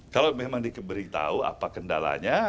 kalau memang diberitahu apa kendalanya